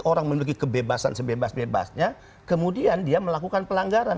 orang memiliki kebebasan sebebas bebasnya kemudian dia melakukan pelanggaran